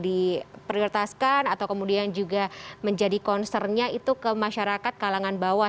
diprioritaskan atau kemudian juga menjadi concernnya itu ke masyarakat kalangan bawah